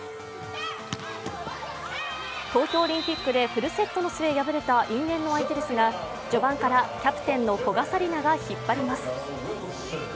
東京オリンピックでフルセットの末、敗れた因縁の相手ですが序盤からキャプテンの古賀紗理那が引っ張ります。